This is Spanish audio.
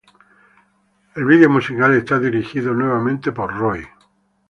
El video musical está dirigido nuevamente por "Roy".